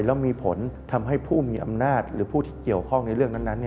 แล้วมีผลทำให้ผู้มีอำนาจหรือผู้ที่เกี่ยวข้องในเรื่องนั้น